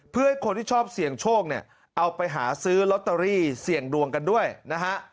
เพื่อให้คนที่ชอบเสี่ยงโชคเนี่ยเอาไปหาซื้อลอตเตอรี่เสี่ยงดวงกันด้วยนะฮะ